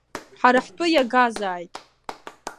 Ҳара ҳтәы иагазааит.